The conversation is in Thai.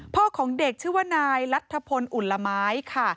ของเด็กชื่อว่านายรัฐพลอุ่นละไม้ค่ะ